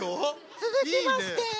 続きまして。